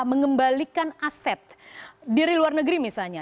mengembalikan aset dari luar negeri misalnya